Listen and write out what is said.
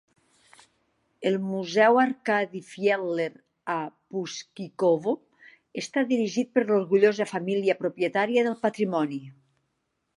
El Museu Arkady Fiedler a Puszczykowo està dirigit per l"orgullosa família propietària del patrimoni.